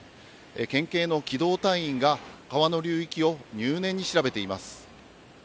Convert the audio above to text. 県警の機動隊員が川の流域を入念に調べています。